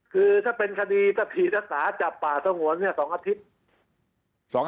คือถ้าเป็นคดีถ้าผีทักษาจับป่าเท่าหวนเนี่ย๒อาทิตย์